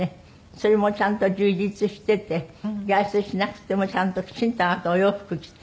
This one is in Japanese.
それもちゃんと充実してて外出しなくてもちゃんときちんとあなたお洋服着て。